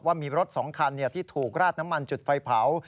ว่ามีรถ๒คันที่ถูกราดน้ำมันจุดไฟเผา